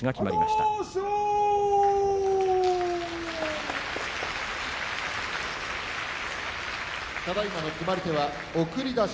ただいまの決まり手は送り出し。